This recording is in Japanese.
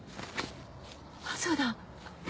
あっそうだ。